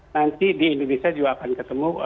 nanti di indonesia juga akan ketemu